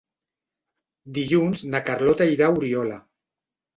Dilluns na Carlota irà a Oriola.